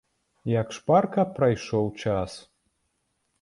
Як шпарка прайшоў час!